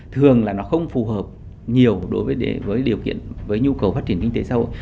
thường là nó không phù hợp nhiều đối với điều kiện với nhu cầu phát triển kinh tế sau